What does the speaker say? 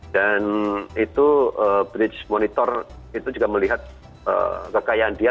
dan itu bridge monitor itu juga melihat kekayaan dia